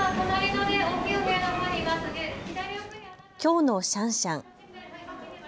きょうのシャンシャン。